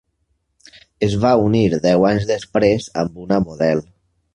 Es va unir deu anys després amb una model.